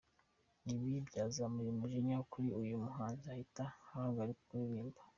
Ibi byazamuye umujinya kuri uyu muhanzi ahita ahagarika kuririmba.